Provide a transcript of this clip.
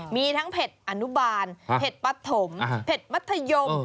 มีทั้งเผ็ดอนุบาลเผ็ดปะถมเผ็ดมัธยม